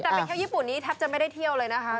แต่ไปเที่ยวญี่ปุ่นนี้แทบจะไม่ได้เที่ยวเลยนะคะ